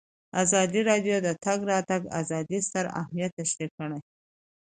ازادي راډیو د د تګ راتګ ازادي ستر اهميت تشریح کړی.